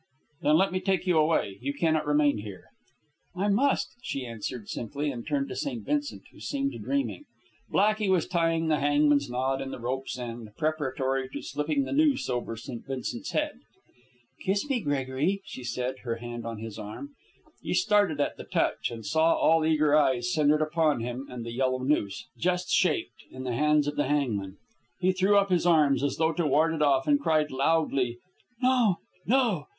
"Then let me take you away. You cannot remain here." "I must," she answered, simply, and turned to St. Vincent, who seemed dreaming. Blackey was tying the hangman's knot in the rope's end, preparatory to slipping the noose over St. Vincent's head. "Kiss me, Gregory," she said, her hand on his arm. He started at the touch, and saw all eager eyes centred upon him, and the yellow noose, just shaped, in the hands of the hangman. He threw up his arms, as though to ward it off, and cried loudly, "No! no!